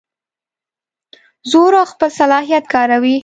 زور او خپل صلاحیت کاروي.